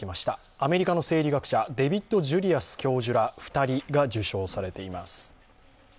アメリカの生理学者、デイビッド・ジュリアス教授ら２人が受賞しています。